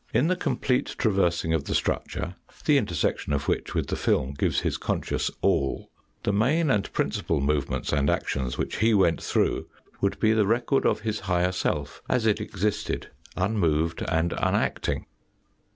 In the complete traversing of the structure, the intersection of which with the film gives his conscious all, the main and principal movements and actions which he went through would be the record of his higher self as it existed unmoved and uriacting.